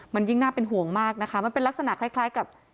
มันยิ่งน่าเป็นห่วงมากนะคะมันเป็นลักษณะคล้ายกับ